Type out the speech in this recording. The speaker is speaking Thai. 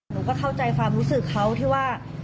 หนูก็เข้าใจความรู้สึกเขาที่ว่า